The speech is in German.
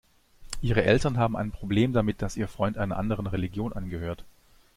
Ihre Eltern haben ein Problem damit, dass ihr Freund einer anderen Religion angehört.